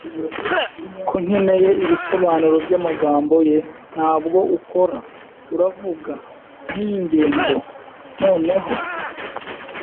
ko nkeneye ibisobanuro byamagambo ye. Ntabwo ukora, uravuga, nkiyi ngendo. Noneho,